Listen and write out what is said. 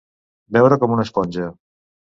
Beure com una esponja.